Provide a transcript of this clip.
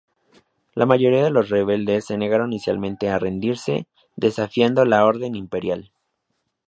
La mayoría de los rebeldes se negaron inicialmente a rendirse, desafiando la orden imperial.